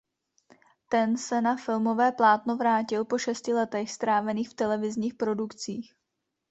Ten se na filmové plátno vrátil po šesti letech strávených v televizních produkcích.